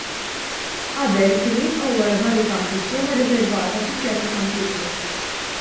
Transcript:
Qabel, kienu jibqgħu wara barrikati f'żona riservata fi Pjazza San Pietru.